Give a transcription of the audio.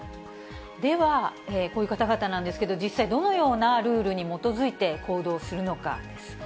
では、こういう方々なんですけど、実際、どのようなルールに基づいて行動するのかです。